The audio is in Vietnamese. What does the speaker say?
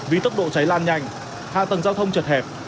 vì tốc độ cháy lan nhanh hạ tầng giao thông chật hẹp